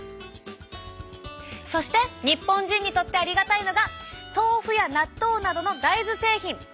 そして日本人にとってありがたいのが豆腐や納豆などの大豆製品！